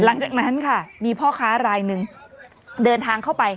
หลังจากนั้นค่ะมีพ่อค้ารายหนึ่งเดินทางเข้าไป